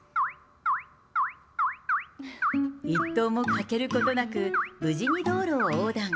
１頭も欠けることなく、無事に道路を横断。